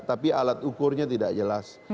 tapi alat ukurnya tidak jelas